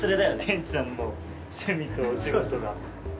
ケンチさんの趣味とお仕事が。